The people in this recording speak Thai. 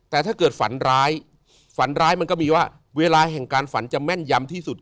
แต่ถ้าเกิดฝันร้ายฝันร้ายมันก็มีว่าเวลาแห่งการฝันจะแม่นยำที่สุด